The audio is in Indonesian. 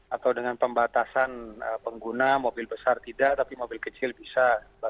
atau dengan pembatasan pengguna mobil besar tidak tapi mobil kecil bisa